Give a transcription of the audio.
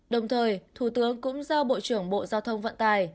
đồng thời thủ tướng cũng giao bộ trưởng bộ giao thông vận tài